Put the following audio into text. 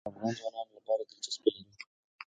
اوړي د افغان ځوانانو لپاره دلچسپي لري.